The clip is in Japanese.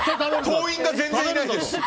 党員が全然いないです。